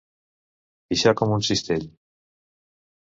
Pixar com un cistell.